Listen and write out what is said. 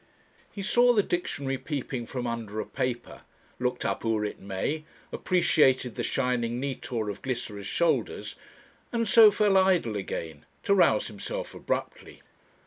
He saw the dictionary peeping from under a paper, looked up "Urit me," appreciated the shining "nitor" of Glycera's shoulders, and so fell idle again to rouse himself abruptly.